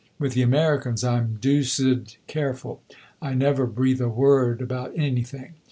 With the Americans I 'm deuced careful I never breathe a word about anything.